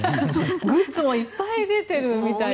グッズもいっぱい出てるみたいですね。